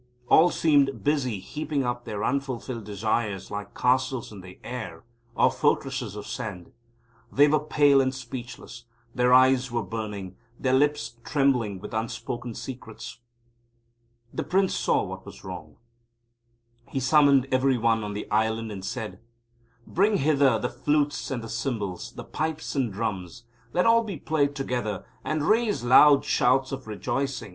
All seemed busy heaping up their unfulfilled desires like castles in the air, or fortresses of sand. They were pale and speechless, their eyes were burning, their lips trembling with unspoken secrets. The Prince saw what was wrong. He summoned every one on the Island and said: "Bring hither the flutes and the cymbals, the pipes and drums. Let all be played together, and raise loud shouts of rejoicing.